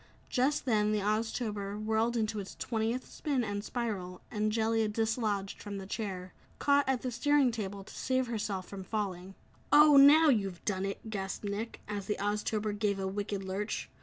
Just then, the Oztober whirled into its twentieth spin and spiral, and Jellia dislodged from the chair caught at the steering table to save herself from falling. "Oh, now you've done it!" gasped Nick, as the Oztober gave a wicked lurch.